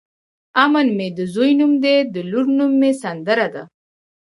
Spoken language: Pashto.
امن مې د ځوی نوم دی د لور نوم مې سندره ده.